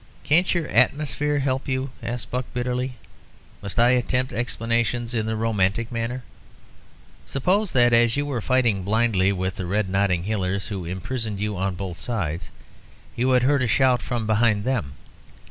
"Can't your 'atmosphere' help you?" asked Buck, bitterly. "Must I attempt explanations in the romantic manner? Suppose that, as you were fighting blindly with the red Notting Hillers who imprisoned you on both sides, you had heard a shout from behind them.